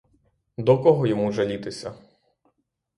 До кого йому жалітися?